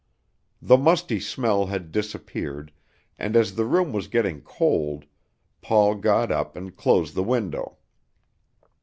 The musty smell had disappeared, and as the room was getting cold, Paul got up and closed the window.